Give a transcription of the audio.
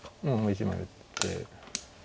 １枚打って。